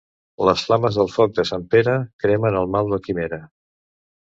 Les flames del foc de Sant Pere cremen el mal de quimera.